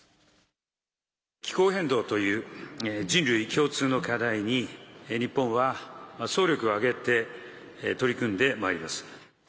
気候変動という人類共通の課題に、日本は総力を挙げて取り組んでまいります。